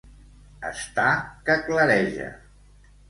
Estar que clareja.